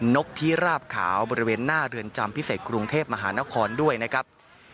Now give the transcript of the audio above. นกที่ราบขาวบริเวณหน้าเรือนจำพิเศษกรุงเทพมหานครด้วยนะครับ